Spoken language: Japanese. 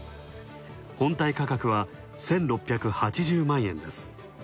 本体価格は１６８０万円です。